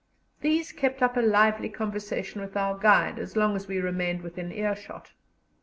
These kept up a lively conversation with our guide as long as we remained within earshot.